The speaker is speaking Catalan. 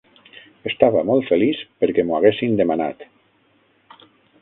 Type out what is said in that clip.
Estava molt feliç perquè m'ho haguessin demanat.